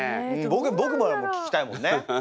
僕もだもん聞きたいもんね。